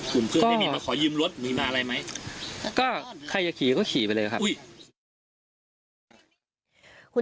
เพื่อนไม่มีมาขอยืมรถมีมาอะไรไหมก็ใครจะขี่ก็ขี่ไปเลยครับ